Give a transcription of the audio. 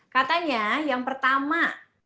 katanya yang pertama